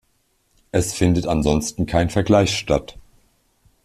Es findet ansonsten kein Vergleich statt.